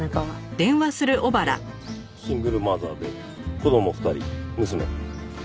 うんシングルマザーで子供２人娘。